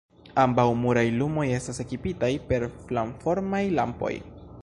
Ambaŭ muraj lumoj estas ekipitaj per flamformaj lampoj.